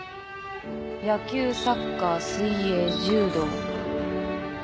野球サッカー水泳柔道。